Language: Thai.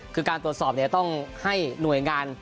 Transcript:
คือการตรวจสอบต้องให้หน่วยงาน